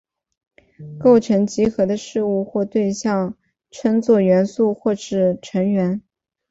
构成集合的事物或对象称作元素或是成员。